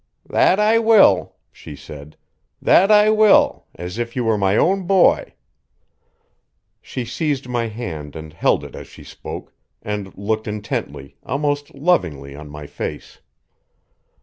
"That I will," she said; "that I will, as if you were my own boy." She seized my hand and held it as she spoke, and looked intently, almost lovingly, on my face.